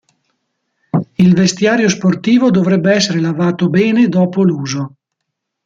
Il vestiario sportivo dovrebbe essere lavato bene dopo l'uso.